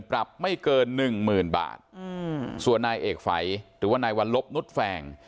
ปรับไม่เกินหนึ่งหมื่นบาทอืมส่วนนายเอกฝัยหรือว่านายวัลลบนุษย์แฟง